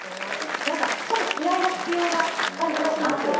何かちょっと気合いが必要な感じはしますよね。